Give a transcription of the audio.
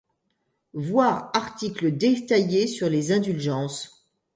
Voir article détaillé sur les indulgences.